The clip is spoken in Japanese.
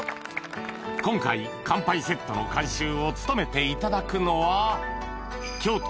今回乾杯セットの監修を務めていただくのは京都